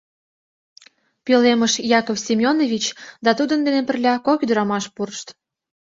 Пӧлемыш Яков Семенович да тудын дене пырля кок ӱдырамаш пурышт.